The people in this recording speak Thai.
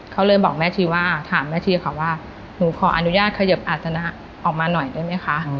เขาเลยบอกแม่ชีว่าถามแม่ชีค่ะว่าหนูขออนุญาตเขยิบอาศนะออกมาหน่อยได้ไหมคะ